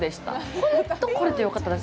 ほんと、来られてよかったです。